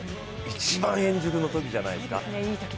一番、円熟のときじゃないですか。